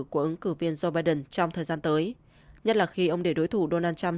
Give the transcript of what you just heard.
của ứng cử viên joe biden trong thời gian tới nhất là khi ông để đối thủ donald trump